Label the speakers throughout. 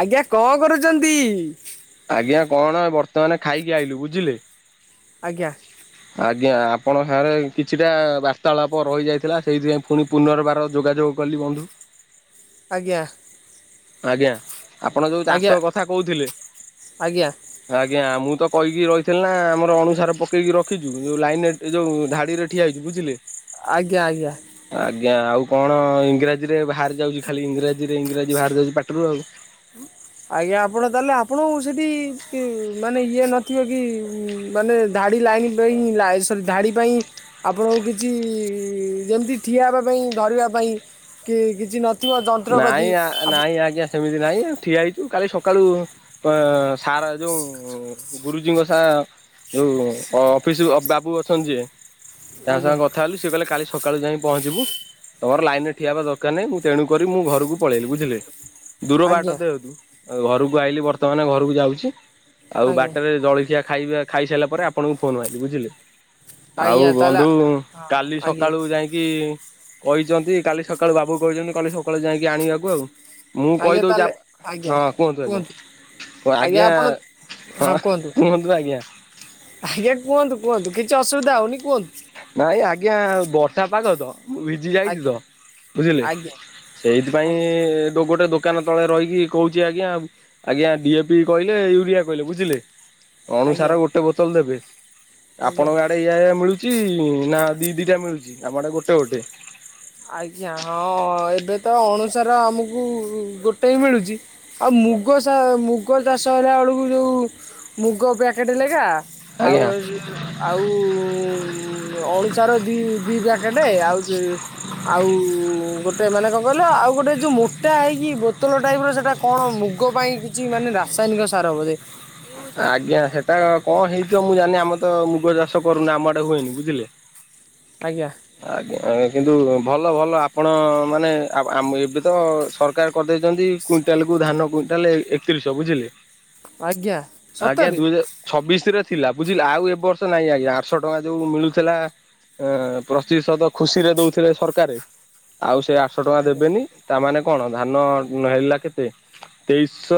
Speaker 1: ଆଜ୍ଞା କଣ କରୁଚନ୍ତି?
Speaker 2: ଆଜ୍ଞା କଣ ବର୍ତ୍ତମାନ ଖାଇକି ଆଇଲୁ ବୁଝିଲେ।
Speaker 1: ଆଜ୍ଞା।
Speaker 2: ହଁ ଆଜ୍ଞା ଆପଣଙ୍କ ସାଙ୍ଗରେ କିଛିଟା ବାର୍ତ୍ତାଳାପ ରହିଯାଇଥିଲା ସେଇଥିପାଇଁ ଫୁଣି ପୁନର୍ବାର ଯୋଗାଯୋଗ କଲି ବନ୍ଧୁ।
Speaker 1: ଆଜ୍ଞା।
Speaker 2: ଆଜ୍ଞା ଆପଣ ଯୋଉ
Speaker 1: ଆଜ୍ଞା
Speaker 2: ଚାଷ କଥା କହୁଥିଲେ
Speaker 1: ଆଜ୍ଞା।
Speaker 2: ଆଜ୍ଞା ମୁଁ ତ କହିକି ରହିଥିଲି ନା ଆମର ଅଣୁସାର ପକେଇକି ରଖିଛୁ ଯୋଉ ଲାଇନରେ ଏ ଯୋଉ ଧାଡିରେ ଠିଆ ହେଇଛୁ, ବୁଝିଲେ?
Speaker 1: ଆଜ୍ଞା ଆଜ୍ଞା।
Speaker 2: ଆଜ୍ଞା ଆଉ କଣ ଇଂରାଜୀରେ ବାହାରି ଯାଉଛି ଖାଲି ଇଂରାଜୀରେ ଇଂରାଜୀ ବାହାରି ଯାଉଛି ପାଟରୁ ଆଉ।
Speaker 1: ଆଜ୍ଞା ଆପଣ ତାହେଲେ ଆପଣ ସେଠି ମାନେ ଇଏ ନଥିବ କି। ମାନେ ଧାଡ଼ି ଲାଇନ୍ ପାଇଁ ସରି ଧାଡ଼ି ପାଇଁ ଆପଣଙ୍କୁ କିଛି ଯେମିତି ଠିଆ ହେବା ପାଇଁ ଧରିବା ପାଇଁ କି କିଛି ନ
Speaker 2: ନାଇଁ ନାଇଁ ଆଜ୍ଞା। ସେମିତି ନାହିଁ ଠିଆ ହେଇଛୁ କାଲି ସକାଳୁ ସାର ଯେଉଁ ଗୁରୁଜୀଙ୍କ ସ ଯୋଉ ଅଫିସ ବାବୁ ଅଛନ୍ତି ଯେ ତାଙ୍କ
Speaker 1: ଆଜ୍ଞା
Speaker 2: ସାଙ୍ଗ କଥା ହେୁ ସେି କିଲେ କାଲି ସକାଳୁ ଯାଇଁ ପହଞ୍ଚିବୁ ତମରାଇନ୍ର ଠିଆ ହେବା ଦରକାର ନାହିଁ, ମୁଁ ତଣୁ କରି ମୁଁ ଘରକୁ ପଳେଇଲି ବୁଝିଲେ ଦୂର ବାଟ
Speaker 1: ଆଜ୍ଞା
Speaker 2: ଦେହ ତୁ ଉ ଘରକୁ ଆଇିଲି ବର୍ତ୍ତମାନ ଘରକୁ ଯାଉଛି ଆଉ
Speaker 1: ଆଜ୍ଞା
Speaker 2: ବାଟରେ ଜଳଖିଆ। ଖାଇବା ଖାଇସାରିଲା ପରେ ଆପଣଙ୍କୁ ଫୋନ ଆଇଲି ବୁଝିଲେ। ଆଉ
Speaker 1: ଆଜ୍ଞା ତାହେଲେ
Speaker 2: ବନ୍ଧୁ
Speaker 1: ହଁ
Speaker 2: କାଲି
Speaker 1: ଆଜ୍ଞା
Speaker 2: ସକାଳୁ ଯାଇକି କହିଛନ୍ତି କାଲି ସକାଳୁ ବାବୁ କହିଛନ୍ତି କାଲି ସକାଳୁ ଯାଇକି ଆଣିବାକୁ ଆଉ। ମୁଁ
Speaker 1: ଆଜ୍ଞା
Speaker 2: କହିଦଉଛି
Speaker 1: ତାହେଲେ ଆଜ୍ଞା
Speaker 2: ହଁ କୁହନ୍ତୁ ଆଜ୍ଞା। ଓ ଆଜ୍ଞା ହଁ କୁହନ୍ତୁ ଆଜ୍ଞା?
Speaker 1: ଆଜ୍ଞା କୁହନ୍ତୁ କୁହନ୍ତୁ କିଛିସୁବିଧା [unintelligible] କୁହନ୍ତୁ।
Speaker 2: ନାଇଁ ଆଜ୍ଞା ବର୍ଷା ପାଗ ତ ଭିଜି ଯାଇଛି
Speaker 1: ଆଜ୍ଞା
Speaker 2: ତ ବୁଝିଲେ
Speaker 1: ଆଜ୍ଞା
Speaker 2: ସେଇଥିପାଇଁ
Speaker 1: ଆଜ୍ଞା
Speaker 2: ଗୋଟେ ଦୋକ ଦୋକାନ ତଳେ ରହିକି କହୁଛି ଆଜ୍ଞା ଆଜ୍ଞା ଡିଏ ପି କହିଲେ ୟୁରିଆ କହିଲେ ବୁଝିଲେ।
Speaker 1: ଆଜ୍ଞା
Speaker 2: ଅଣୁସାର ଗୋଟେ ବୋତଲ ଦେବେ
Speaker 1: ଆଜ୍ଞା
Speaker 2: ଆପଣଙ୍କ ଆଡ଼େ ଇଆ ଇଆ ମିଳୁଛି। ନା ଦି ଦିଟା ମିଳୁଛି ଆମଟେ ଗୋଟେ ଗୋଟେ।
Speaker 1: ଆଜ୍ଞା ହଁ ଏବେ ତ ଅଣୁସାର ଆମକୁ ଗୋଟେ ମିଳୁଛି। ଆଉ ମୁଗ ମୁଗ ଚାଷ ହେଲା ବେଳକୁ ଯେଉଁ ମୁଗ ପ୍ୟାକେଟ୍ ଲେଗା ଆଉ
Speaker 2: ଆଜ୍ଞା
Speaker 1: [unintelligible] ଆଉ ଅଣୁସାର ଦି ଦି ପ୍ୟାକେଟ ଆଉ ଆଉ ଗୋଟେ ମାନେ କଣ କହିଲ ଆଉ ଗୋଟେ ଯୋଉ ମୋଟା ହେଇକି ବୋତଳ ଟାଇପ ର ସେଟା କଣ ମୁଗ ପାଇଁ କିଛି ମାନେ ରାସାୟନିକ ସାର ବୋଧେ।
Speaker 2: ଆଜ୍ଞା ସେଟା କଣ ହେଇଥିବ ମୁଁ ଜାିନି ଆମ ତ ମୁଗ ଚାଷ କରୁନି ଆମ ଆଡେ ହୁଏନି ବୁଝିଲେ। [unintelligible]
Speaker 1: ଆଜ୍ଞା।
Speaker 2: ଆଜ୍ଞାଞା କିନ୍ତୁ ଭଲ ଭଲ ଆପଣ ମାନେ ଏବେ ତ ସରକାର କରିଦେଇଛନ୍ତି କୁଇଣ୍ଟାଲ କୁ ଧାନ କୁଇଣ୍ଟାଲ ଏକତିରିଶହ ବୁଝିଲେ
Speaker 1: ଆଜ୍ଞା।
Speaker 2: ଆଜ୍ଞା
Speaker 1: ସତରେ
Speaker 2: ଦୁଇ ହଜାର ଛବିଶ ରେ ଥିଲା ବୁଝିଲେ। ଆଉ ଏ ବର୍ଷ ନାଇଁ ଆଜ୍ଞା। ଆଠଶହ ଟଙ୍କା ଯୋଉ ମିଳୁଥିଲା। ଏଁ ପ୍ରତିଶଦ ଖୁସିରେ ଦଉଥିଲେ ସରକାରେ। ଆଉ ସେ ଆଠଶହ ଟଙ୍କା
Speaker 1: ଆଜ୍ଞା
Speaker 2: ଦେବେନି। ତା ମାନେ କଣ ଧାନ ଉ ହେଲା କେତେ ତେଇଶହ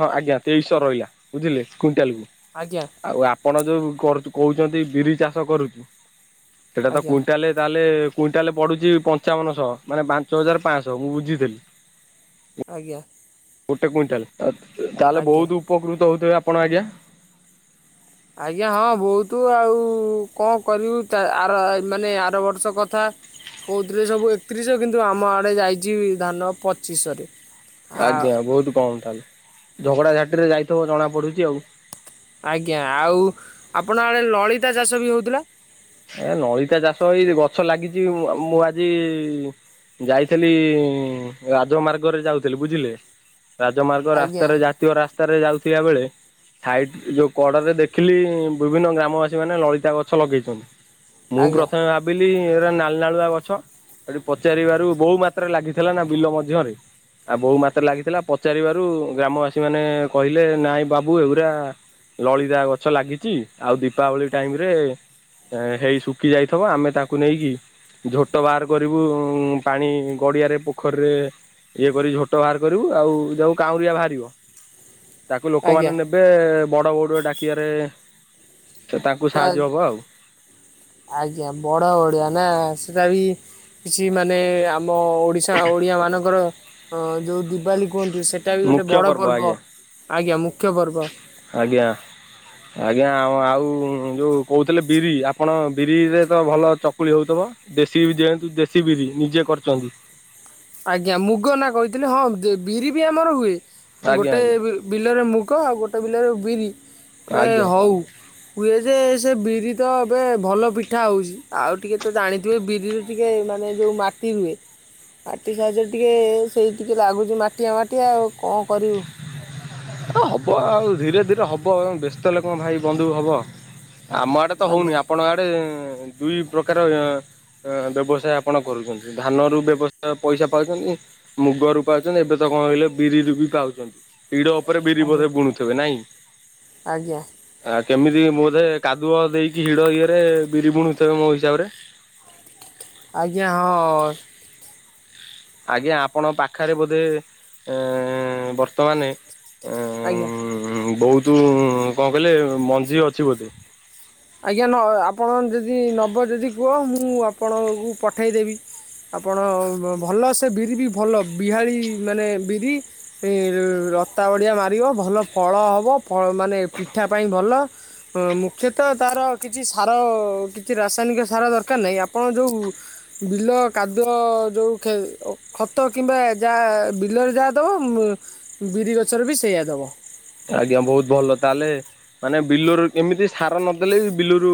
Speaker 2: ହଁ ଆଜ୍ଞା ତେଇଶହ ରହିଆ। ବୁଝିଲେ [unintelligible]
Speaker 1: ଆଜ୍ଞା।
Speaker 2: ଆଉ ଆପଣ ଯୋଉ କରୁଚୁ କହୁଚନ୍ତି ବିରି ଚାଷ କରୁଚୁ। ସେଟା ତ
Speaker 1: ଆଜ୍ଞା
Speaker 2: କୁଇଣ୍ଟାଲେ ତାହେଲେ କୁଇଣ୍ଟାଲେ ପଡୁଚି ପଞ୍ଚାବନଶହ। ମାନେ ପାଞ୍ଚ ହଜାର ପାଞ୍ଚଶହ, ମୁଁ ବୁଝିଥିଲି।
Speaker 1: ଆଜ୍ଞା।
Speaker 2: ଗୋଟେ କୁଇଣ୍ଟାଲ ଆ ତ ତାହେଲେ
Speaker 1: ଆଜ୍ଞା
Speaker 2: ବହୁତ ଉପକୃତ ହଉଥିବେ ଆପଣ ଆଜ୍ଞା।
Speaker 1: ଆଜ୍ଞା ହଁ ବହୁତୁ ଆଉ କଣ କରିବୁ। ତା ଆର ଏଇ ମାନେ ଆର ବର୍ଷ କଥା। କହୁଥିରେ ସବୁ ଏକତିରିଶ। କିନ୍ତୁ ଆମ ଆଡେ ଯାଇଚି ଧାନ ପଚିଶରେ। ଆଉ
Speaker 2: ଆଜ୍ଞା ବହୁତ କମ୍ ତାହେଲେ, ଝଗଡା ଝାଟିରେ ଯାଇଥିବ ଜଣା ପଡୁଚି ଆଉ।
Speaker 1: ଆଜ୍ଞା ଆଉ ଆପଣ ଆଡ଼େ ଲଳିତା ଚାଷ ବି ହଉଥିଲା।
Speaker 2: ଏ ନଳିତା ଚାଷ ହେଇ ଗଛ ଲାଗିଚି ବି ମୁଁ ଆ ମୁଁ ଆଜି ଯାଇଥିଲି ରାଜମାର୍ଗରେ ଯାଉଥିଲି ବୁଝିଲେ? ରାଜମାର୍ଗ
Speaker 1: ଆଜ୍ଞା
Speaker 2: ରାସ୍ତାରେ ଜାତୀୟ ରାସ୍ତାରେ ଯାଉଥିବା ବେଳେ ସାଇଟ ଯୋଉ କଡ଼ରେ ଦେଖିଲି ବିଭିନ୍ନ ଗ୍ରାମବାସୀ ମାନେ ଲଳିତା ଗଛ ଲଗେଇଚନ୍ତି। ମୁଁ
Speaker 1: ଆଜ୍ଞା
Speaker 2: ପ୍ରଥମେ ଭାବି ବିଲି ଏରା ନାଲନାଳୁଆ ଗଛ। ହେଟି ପଚାରିବାରୁ ବହୁ ମାତ୍ରାରେ ଲାଗିଥିଲା ନା ବିଲ ମଧ୍ୟରେ ଆ ବହୁ ମାତ୍ର ଲାଗିଥିଲା। ପଚାରିବାରୁ ଗ୍ରାମବାସୀ ମାନେ କହିଲେ ନାଇଁ ବାବୁ ଏଉରା ଲଳିତା ଗଛ ଲାଗିଚି। ଆଉ ଦୀପାବଳି ଟାଇମରେ ହେଇ ଶୁଖି ଯାଇଥବ, ଆମେ ତାକୁ ନେଇକି ଝୋଟ ବାହାର କରିବୁ, ଉଁ ପାଣି ଗଡିଆରେ ପୋଖରୀରେ ଇଏ କରି ଝୋଟ ବାହାର କରିବୁ, ଆଉ ଯୋଉ କାଉଁରିଆ ବାହାରିବ। ତାକୁ ଲୋକମାନେ
Speaker 1: ଆଜ୍ଞା
Speaker 2: ନେବେ ବଡ ବଡୁଆ ଡାକିବରେ ସେ ତାଙ୍କୁ
Speaker 1: ତା-
Speaker 2: ସାହାଯ୍ୟ ହବ ଆଉ।
Speaker 1: ଆଜ୍ଞା ବଡ ବଡିଆ ନା। ସେଟା ବି କିଛି ମାନେ ଆମ ଓଡ଼ିଶା ଓଡ଼ିଆ ମାନଙ୍କର ଅଁ ଯଉ ଦିବାଲି କୁହନ୍ତୁ, ସେଟା ବି ଗୋଟେ
Speaker 2: ମୁଖ୍ୟ
Speaker 1: ବଡ଼ ପର୍ବ
Speaker 2: ଆଜ୍ଞା
Speaker 1: ଆଜ୍ଞା ମୁଖ୍ୟ ପର୍ବ।
Speaker 2: ଆଜ୍ଞା। ଆଜ୍ଞା ଆଉ-ଆଉ ଉଁ ଯୋଉ କହୁଥିଲେ ବିରି, ଆପଣ ବିରିରେ ତ ଭଲ ଚକୁଳି ହଉଥିବ? ଦେଶୀ ବି ଯେହେତୁ ଦେଶୀ ବିରି, ନିଜେ କରିଚନ୍ତି।
Speaker 1: ଆଜ୍ଞା ମୁଗ ନା କହିଥିଲି, ହଁ ଦେ ବିରି ବି ଆମର ହୁଏ।
Speaker 2: ଆଜ୍ଞା
Speaker 1: ଗୋଟେ
Speaker 2: ଆଜ୍ଞା।
Speaker 1: ବି ବିଲରେ ମୁଗ ଆଉ ଗୋଟେ ବିଲରେ ବିରି ବେ
Speaker 2: ଆଜ୍ଞା
Speaker 1: ହଉ। ହୁଏ ଯେ ସେ ବିରି ତ ଏବେ ଭଲ ପିଠା ହଉଚି। ଆଉ ଟିକେ ତ ଜାଣିଥିବେ ବିରି ରେ ଟିକେ ମାନେ ଯଉ ମାଟି ରୁହେ। ମାଟି ସାହାଯ୍ୟରେ ଟିକେ ସେଇ ଟିକେ ଲାଗୁଚି ମାଟିଆ-ମାଟିଆ ଆଉ କଣ କରିବୁ।
Speaker 2: ଅ ହବ ଆଉ ଧୀରେ ଧୀରେ ହବ, ବ୍ୟସ୍ତ ହେଲେ କଣ ଭାଇ ବନ୍ଧୁ ହବ। ଆମ ଆଡ଼େ ତ ହଉନି।
Speaker 1: ଆଜ୍ଞା
Speaker 2: ଆପଣଙ୍କ ଆଡେ ଦୁଇ ପ୍ରକାର ଏଁ ଏଁ ବ୍ୟବସାୟ ଆପଣ କରୁଚନ୍ତି। ଧାନ ରୁ ବ୍ୟବସାୟ ପଇସା ପାଉଚନ୍ତି। ମୁଗରୁ ପାଉଚନ୍ତି, ଏବେ ତ କଣ କହିଲେ ବିରିରୁ ବି ପାଉଚନ୍ତି। ହିଡ ଉପରେ ବିରି
Speaker 1: ଆଜ୍ଞା।
Speaker 2: ବଧେ ବୁଣୁଥୁବେ ନାଇଁ?
Speaker 1: ଆଜ୍ଞା।
Speaker 2: ଆ କେମିତି ବୋଧେ କାଦୁଅ ଦେଇକି ହିଡ ଇଏରେ ବିରି ବୁଣଥିବେ ମୋ ହିସାବରେ?
Speaker 1: ଆଜ୍ଞା ହଁ।
Speaker 2: ଆଜ୍ଞା ଆପଣଙ୍କ ପାଖରେ ବୋଧେ ଏଁ ବର୍ତ୍ତମାନେ ଏଁ
Speaker 1: ଆଜ୍ଞା।
Speaker 2: ହୁଁ ବହୁତୁ କଣ କହିଲେ ମଞ୍ଜି ଅଛି ବୋଧେ।
Speaker 1: ଆଜ୍ଞା ନ ଆପଣ ଯଦି ନବ ଯଦି କୁହ ମୁଁ ଆପଣଙ୍କୁ ପଠାଇ ଦେବି। ଆପଣ ଭଲ ସେ ବିରି ବି ଭଲ ବିହାରି ମାନେ ବିରି ଲତା ବଡ଼ିଆ ମାରିବ, ଭଲ ଫଳ ହବ, ମାନେ ପିଠା ପାଇଁ ଭଲ। ଅ ମୁଖ୍ୟତଃ ମୁଖ୍ୟତଃ ତ ତାର କିଛି ସାର କିଛି ରାସାୟନିକ ସାର ଦରକାର ନାହିଁ। ଆପଣ ଯେଉଁ ବିଲ କାଦୁଅ ଯେଉଁ ଖତ କିମ୍ବା ଯାହା ବିଲରେ ଯାହା ଦେବ ବିରି ଗଛରେ ବି ସେଇଆ ଦେବ।
Speaker 2: ଆଜ୍ଞା ବହୁତ ଭଲ ତାହେଲେ। ମାନେ ବିଲରୁ ଏମିତି ସାର ନଦେଲେ ବି ବିଲରୁ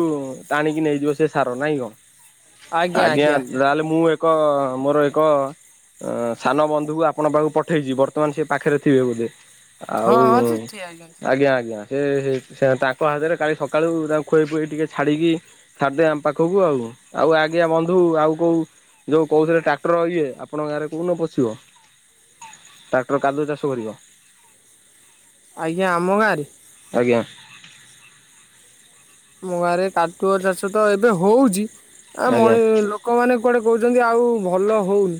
Speaker 2: ଟାଣିକି ନେଇଯିବ ସେ ସାର ନାଇଁ କଣ। ଆଜ୍ଞା ତାହେଲେ ମୁଁ ଏକ ମୋର ଏକ ଅ ସାନ ବନ୍ଧୁକୁ ଆପଣ ପାଖକୁ ପଠେଇଚି ବର୍ତ୍ତମାନ ସେ ପାଖରେ ଥିବେ ବୋଧେ। ଆଉ
Speaker 1: ଠି ଆଜ୍ଞା।
Speaker 2: ଆଜ୍ଞା ଆଜ୍ଞା। ସେ ତାଙ୍କ ହାତରେ କାଲି ସକାଳୁ ତାଙ୍କୁ ଖୁଆଇ ପୁଆଇ ଟିକେ ଛାଡ଼ିକି ଛାଡ଼ି ଦେବେ ଆମ ପାଖକୁ ଆଉ। ଆଉ ଆଜ୍ଞା ବନ୍ଧୁ ଆଉ କୋଉ ଯୋଉ କହୁଥିଲେ ଟ୍ରାକ୍ଟର ଇଏ ଆପଣଙ୍କ ଗାଁରେ କୋଉ ନ ପଶିବ? ଟ୍ରାକ୍ଟର କାଦୁଅ ଚାଷ କରିବ।
Speaker 1: ଆଜ୍ଞା ଆମ ଗାଁରେ?
Speaker 2: ଆଜ୍ଞା।
Speaker 1: ଆମ ଗାଁରେ କାଟୁଆ ଚାଷ ତ ଏବେ ହଉଚି। ଆ
Speaker 2: ଆଜ୍ଞା
Speaker 1: ମଣି ଲୋକ ଲୋକମାନେ କୁଆଡ଼େ କହୁଚନ୍ତି ଆଉ ଭଲ ହଉନି।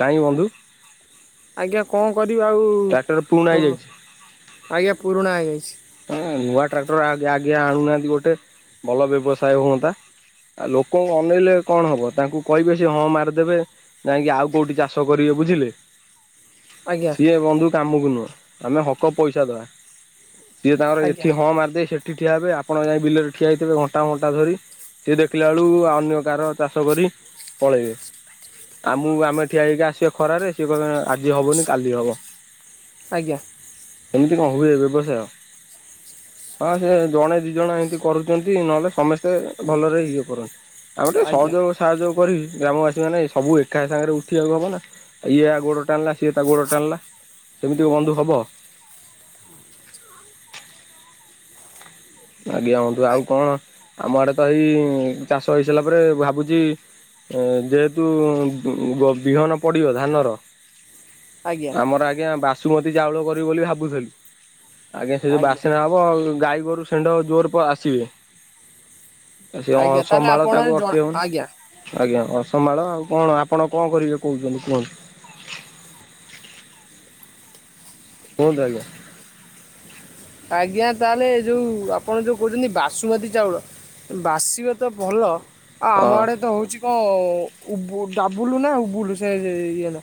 Speaker 2: କାହିଁକି ବନ୍ଧୁ?
Speaker 1: ଆଜ୍ଞା କଣ କରିବା ଆଉ
Speaker 2: ଟ୍ରାକ୍ଟର ପୁରୁଣା ହେଇଯାଇଛି।
Speaker 1: ଆଜ୍ଞା ପୁରୁଣା ହୋଇଯାଇଚି।
Speaker 2: ହ ନୂଆ ଟ୍ରାକ୍ଟର ଆଗେ ଆଗେ ଆଣୁନାହାଁନ୍ତି ଗୋଟେ ଭଲ ବ୍ୟବସାୟ ହୁଅନ୍ତା। ଆଉ ଲୋକଙ୍କୁ ଅନେଇଲେ କଣ ହବ? ତାଙ୍କୁ କହିବେ ସେ ହଁ ମାରିଦେବେ। ଯାଇଁକି ଆଉ କୋଉଠି ଚାଷ କରିବେ ବୁଝିଲେ।
Speaker 1: ଆଜ୍ଞା
Speaker 2: ସିଏ ବନ୍ଧୁ କାମକୁ ନୁହଁ ଆମେ ହକ ପଇସା ଦବା। ସିଏ ତାଙ୍କର
Speaker 1: ଆଜ୍ଞା
Speaker 2: ଏଠି ହଁ ମାରି ଦେଇ ସେଠି ଠିଆ ହେବେ। ଆପଣ ଯାଇ ବିଲ ଠିଆ ହୋଇଥିବେ ଘଣ୍ଟା ଘଣ୍ଟା ଧରି। ସିଏ ଦେଖିଲା ବେଳକୁ ଅନ୍ୟ କାହାର ଚାଷ କରି ପଳେଇବେ। ଆମକୁ ଆମେ ଠିଆ ହେଇକି ଆସିବେ ଖରାରେ। ସିଏ କହିବେ ଆଜି ହବନି କାଲି ହବ।
Speaker 1: ଆଜ୍ଞା।
Speaker 2: ଏମିତି କଣ ହୁଏ ବ୍ୟବସାୟ? ହଁ ସେ ଜଣେ ଦି ଜଣ ଏମିତି କରୁଚନ୍ତି। ନହେଲେ ସମସ୍ତେ ସ୍ତେ ଭଲରେ ଇଏ କରନ୍ତି। ଆଉ ଗୋଟେ
Speaker 1: ଆଜ୍ଞା।
Speaker 2: ସହଯୋଗ ସାହାର୍ଯ୍ୟ କରି ଗ୍ରାମବାସୀ ମାନେ ସବୁ ଏକା ସାଙ୍ଗରେ ଉଠିବାକୁ ହବ ନା। ଇଏ ଆ ଗୋଡ଼ ଟାଣିଲା ସିଏ ତା ଗୋଡ଼ ଟାଣିଲା। ସେମିତି କଣ ବନ୍ଧୁ ହବ? ଆଜ୍ଞା ବନ୍ଧୁ। ଆଉ କଣ ଆମ ଆଡ଼େ ତ ଏଇ ଚାଷ ହେଇସାରିଲା ପରେ ଭାବୁଚି ଏ ଯେହେତୁ ବ - ବ ବିହନ ପଡ଼ିବ ଧାନର
Speaker 1: ଆଜ୍ଞା
Speaker 2: ଆମର ଆଜ୍ଞା ବାସୁମତୀ ଚାଉଳ କରିବି ବୋଲି ଭାବୁଥିଲୁ। ଆଜ୍ଞା ସେ ଯୋଉ ବାସନା ହବ ବ ଗାଈ ଗୋରୁ ସେଣ୍ଢ ଜୋର ତ ଆସିବେ। ଆ ସେ
Speaker 1: ଆଜ୍ଞା ତାହେଲେ
Speaker 2: ଅସମ୍ଭାଳ
Speaker 1: ଆପଣ
Speaker 2: ତାଙ୍କୁ
Speaker 1: ଜଣ
Speaker 2: ଅଟକେଇ ହବନି।
Speaker 1: ଆଜ୍ଞା
Speaker 2: ଆଜ୍ଞା ଅସମ୍ଭାଳ ଆଉ କଣ ଆପଣ କଣ କରିବେ କହୁଚନ୍ତି କୁହନ୍ତୁ। କୁହନ୍ତୁ ଆଜ୍ଞା।
Speaker 1: ଆଜ୍ଞା ତାହେଲେ ଯୋଉ ଆପଣ ଯୋଉ କହୁଚନ୍ତି ବାସୁମତୀ ଚାଉଳ ବାସିବେ ତ ଭଲ। ଆ ଆମ
Speaker 2: ହଁ।
Speaker 1: ଆଡ଼େ ତ ହଉଚି କଣ ଉ ଡାବୁଲୁ ନା ଉବୁଲୁ ସେ ଇଏ ନା।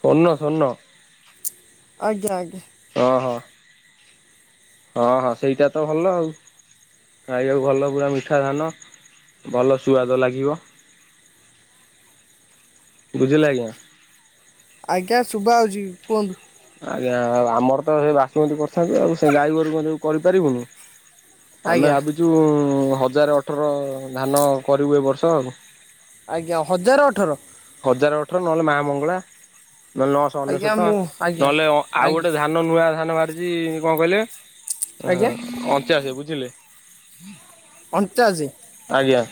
Speaker 2: ସ୍ୱର୍ଣ୍ଣ ସ୍ୱର୍ଣ୍ଣ।
Speaker 1: ଆଜ୍ଞା ଆଜ୍ଞା।
Speaker 2: ଅ ହଁ। ହଁ ହଁ ସେଇଟା ତ ଭଲ ଆଉ। ଖାଇବାକୁ ଭଲ। ପୁରା ମିଠା ଧାନ। ଭଲ ସୁ୍ଆଦ ଲାଗିବ। ବୁଝିଲେ ଆଜ୍ଞା।
Speaker 1: ଆଜ୍ଞା ଶୁଭ ଯାଉଚି କୁହନ୍ତୁ।
Speaker 2: ଆଜ୍ଞା ଆଉ ଆମର ତ ସେ ବାସୁମତି କରିଥାନ୍ତ ଆଉ ସେ ଗାଈଗୋରୁ ଯୋଗୁଁ କରିପାରିବୁନି। ଆମେ
Speaker 1: ଆଜ୍ଞା
Speaker 2: ଭାବିଚୁ ହଜାର ଅଠର ଧାନ କରିବୁ ଏ ବର୍ଷ ଆଉ।
Speaker 1: ଆଜ୍ଞା ହଜାର ଅଠର?
Speaker 2: ହଜାର ଅଠର, ନହେଲେ ମାମଙ୍ଗଳା, ନହେଲେ ନଅଶହ
Speaker 1: ଆଜ୍ଞା
Speaker 2: ଅନେଶତ,
Speaker 1: ମୁଁ ଆଜ୍ଞା
Speaker 2: ନହେଲେ ଅ, ଆଉ
Speaker 1: ଆଜ୍ଞା
Speaker 2: ଗୋଟେ ଧା ନ ନୂଆ ଧାନ ବାହାରିଛି କଣ କହିଲେ? ଅହ
Speaker 1: ଆଜ୍ଞା
Speaker 2: ଅଣଚାଶ, ବୁଝିଲେ? ହୁଁ
Speaker 1: ଅଣଚାଶ?
Speaker 2: ଆଜ୍ଞା।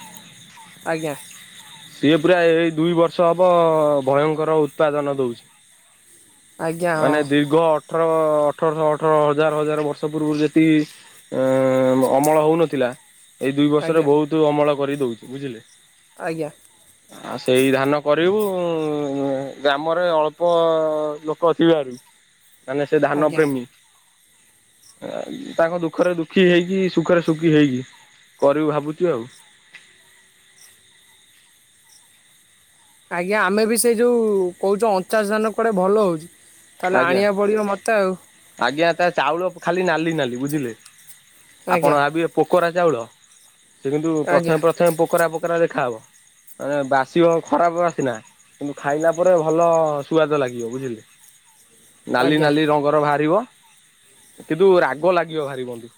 Speaker 1: ଆଜ୍ଞା।
Speaker 2: ସିଏ ପୁରା ଏଇ ଦୁଇ ବର୍ଷ ହବ ଭୟଙ୍କର ଉତ୍ପାଦନ ଦଉଛି।
Speaker 1: ଆଜ୍ଞା
Speaker 2: ମାନେ
Speaker 1: ହଁ
Speaker 2: ଦୀର୍ଘ ଅଠର ଅଠରଶହ ଅଠର ହଜାର ହଜାର ବର୍ଷ ପୂର୍ବରୁ ଯେତିକି ଅ, ମ-ଅମଳ ହଉନଥିଲା ଏଇ ଦୁଇ ବର୍ଷରେ
Speaker 1: ଆଜ୍ଞା
Speaker 2: ବହୁତ ଅମଳ କରି ଦେଇଛି। ବୁଝିଲେ?
Speaker 1: ଆଜ୍ଞା।
Speaker 2: ଓ ଆଉ ସେଇ ଧାନ କରିବୁ, ଗ୍ରାମରେ ଅଳ୍ପ ଲୋକ ଅଛି ଭାରି ମାନେ ସେ ଧାନ
Speaker 1: ଆଜ୍ଞା
Speaker 2: ପ୍ର୍ରେମୀ। ଆଉ ତାଙ୍କ ଦୁଃଖରେ ଦୁଃଖୀ ହେଇକି ସୁଖରେ ସୁଖୀ ହେଇକି। କରିବି ଭାବୁଚି ଆଉ।
Speaker 1: ଆଜ୍ଞା ଆମେ ବି ସେ ଯୋଉ କହୁଛ ଅଣଚାଶ ଧାନ କୁଆଡ଼େ ଭଲ ହଉଛି। ତାହେଲେ
Speaker 2: ଆଜ୍ଞା
Speaker 1: ଆଣିବାକୁ ପଡିବ ମୋତେ ଆଉ।
Speaker 2: ଆଜ୍ଞା ତା ଚାଉଳ ଖାଲି ନାଲି ନାଲି, ବୁଝିଲେ,
Speaker 1: ଆଜ୍ଞା
Speaker 2: ଆପଣ ଭାବିବେ ପୋକରା ଚାଉଳ, ସେ କିନ୍ତୁ
Speaker 1: ଆଜ୍ଞା
Speaker 2: ପ୍ରଥମେ ପ୍ରଥମେ ପୋକରା ପୋକରା ଦେଖାହେବ। ଅ, ବାସିବ ଖରାପ ବାସ୍, ନା କିନ୍ତୁ ଖାଇଲା ପରେ ଭଲ ସୁଆଦ ଲାଗିବ ବୁଝିଲେ। ନାଲି
Speaker 1: ଆଜ୍ଞା
Speaker 2: ନାଲି ରଙ୍ଗର ବାହାରିବ, କିନ୍ତୁ ରାଗ ଲାଗିବ ଭାରି ବନ୍ଧୁ।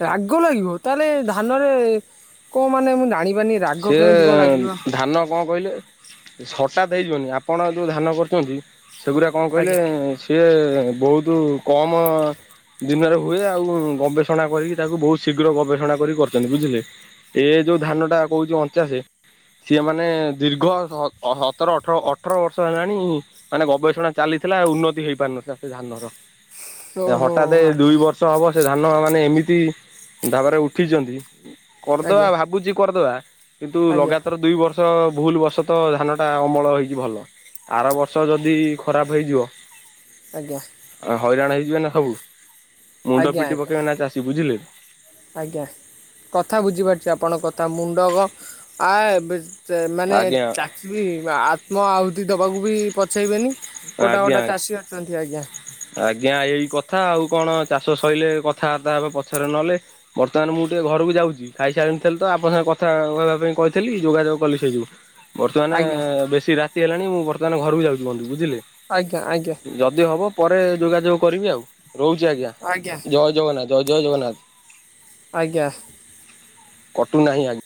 Speaker 1: ରାଗ ଲାଗିବ? ତାହେଲେ ଧାନରେ କଣ ମାନେ ମୁଁ ଜାଣି
Speaker 2: ସିଏ ଧାନ କଣ କହିଲେ? ଏ ସଟାତ୍ ହେଇଯିବନି ଆପଣ ଯୋଉ ଧାନ କରିଚନ୍ତି ସେଗୁରା କଣ କହିଲେ?
Speaker 1: ଆଜ୍ଞା
Speaker 2: ସିଏ ବହୁତୁ କମ ଦିନରେ ହୁଏ ଆଉ ଗବେଷଣା କରିକି ତାକୁ ବହୁତ ଶୀଘ୍ର ଗବେଷଣା କରି କରିଥାନ୍ତି। ବୁଝିଲେ? ଏ ଯୋଉ ଧାନ ଟା କହୁଛି ଅଣଚାଶେ ସିଏ ମାନେ ଦୀର୍ଘ ସ-ଅହ-ସତର ଅଠର ଅଠର ବର୍ଷ ହେଲାଣି ମାନେ ଗବେଷଣା ଚାଲିଥିଲା ଉନ୍ନତି ହେଇପାରିନଥିଲା ସେ ଧାନର, ଏ
Speaker 1: ଓହୋ
Speaker 2: ହଠାତେ
Speaker 1: ଆଜ୍ଞା
Speaker 2: ଦୁଇ ବର୍ ଷ ହବ ସେ ଧାନ ମାନେ ଏମିତି ଭାବରେ ଉଠିଚନ୍ତି। କରଦବା
Speaker 1: ଆଜ୍ଞା
Speaker 2: ଭାବୁଚି କରଦବା କିନ୍ତୁ
Speaker 1: ଆଜ୍ଞା
Speaker 2: ଲଗାତର ଦୁଇ ବର୍ଷ ଭୁଲ ବସତ ଧାନଟା ଅମଳ ହେଇଚି ଭଲ। ଆର ବର୍ଷ ଯଦି ଖରାପ ହେଇଯିବ
Speaker 1: ଆଜ୍ଞା।
Speaker 2: ଓ ହଇରାଣ ହେଇଯିବେ ନା ସବୁ ମୁଣ୍ଡ
Speaker 1: ଆଜ୍ଞା
Speaker 2: ପିଟି
Speaker 1: ଆଜ୍ଞା
Speaker 2: ପକେଇବେ ନା ଚାଷୀ। ବୁଝିଲେ?
Speaker 1: ଆଜ୍ଞା, କଥା ବୁଝିପାରୁଛି ଆପଣଙ୍କ କଥା ମୁଣ୍ଡଗ ଆ, ଏବେ ସେ ମାନେ
Speaker 2: ଆଜ୍ଞା
Speaker 1: ଚାଷୀ ବି ଆ, ଆତ୍ମ ଆହୁତି ଦବାକୁ ବି ପଛେଇବେନି ଗୋଟା
Speaker 2: ଆଜ୍ଞା ଆଜ୍ଞା।
Speaker 1: ଗୋଟା ଚାଷୀ ଅଛନ୍ତି ଆଜ୍ଞା।
Speaker 2: ଆଜ୍ଞା ଏଇ କଥା ଆଉ କଣ ଚାଷ ସଇଲେ କଥାବାର୍ତ୍ତା ହେବେ ପଛରେ ନହଲେ। ବର୍ତ୍ତମାନ ମୁଁ ଟିକେ ଘରକୁ ଯାଉଚି, ଖାଇସାରିନଥିଲି ତ ଆପଣଙ୍କ ସାଙ୍ଗେ କଥା କହିବା ପାଇଁ କହିଥିଲି ଯୋଗାଯୋଗ କଲି ସେଇ ଯୋଗୁ। ବର୍ତ୍ତମାନ
Speaker 1: ଆଜ୍ଞା
Speaker 2: ବେଶୀ ରାତି ହେଲାଣି ମୁଁ ବର୍ତ୍ତମାନ ଘରକୁ ଯାଉଚି ବନ୍ଧୁ ବୁଝିଲେ।
Speaker 1: ଆଜ୍ଞା, ଆଜ୍ଞା।
Speaker 2: ଯଦି ହବ ପରେ ଯୋଗାଯୋଗ କରିବି ଆଉ, ରହୁଛି ଆଜ୍ଞା ଜୟ ଜଗନ୍ନାଥ ଜୟ ଜୟ ଜଗନ୍ନାଥ।
Speaker 1: ଆଜ୍ଞା।
Speaker 2: କଟୁ ନାହିଁ ଆଜି